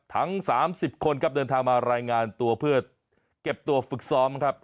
ทั้ง๓๐คนครับเดินทางมารายงานตัวเพื่อเก็บตัวฝึกซ้อมครับ